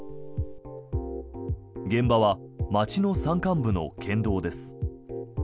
現場は町の山間部の県道です。